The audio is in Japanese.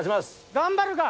頑張るか！